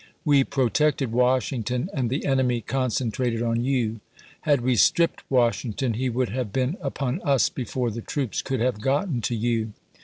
We protected Washington, and the enemy concentrated on you. Had we stripped Washington, he would have been upon us before the troops could have gotten to you.